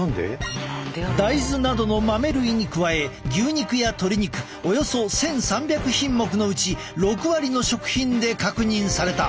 大豆などの豆類に加え牛肉や鶏肉およそ１，３００品目のうち６割の食品で確認された。